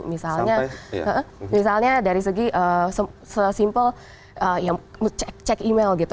misalnya dari segi simple cek email gitu